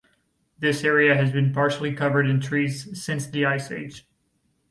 This area has been partially covered in trees since the Ice Age.